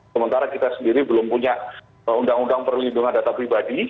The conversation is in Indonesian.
sementara kita sendiri belum punya undang undang perlindungan data pribadi